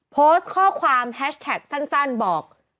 โพสต์ข้อความแฮชแท็กสั้นบอก